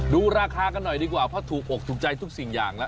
ดูราคากันหน่อยดีกว่าเพราะถูกอกถูกใจทุกสิ่งอย่างแล้ว